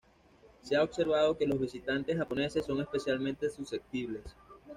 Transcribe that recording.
Se ha observado que los visitantes japoneses son especialmente susceptibles.